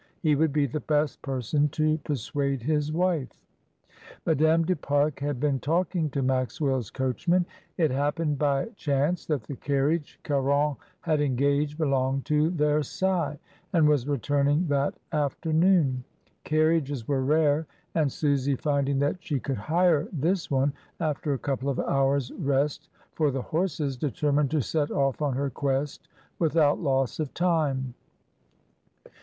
He would be the best person to per suade his wife. Madame du Pare had been talking to Maxwell's coachman. It happened by chance that the carriage Caron had engaged belonged to Versailles, and was returning that afternoon. Carriages were rare, and Susy, finding that she could hire this one, after a couple of hours' rest for the horses, determined to set off on her quest without loss of time.